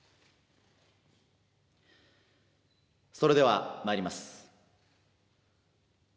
それではまいります。